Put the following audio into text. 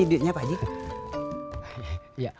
hidupnya pak jika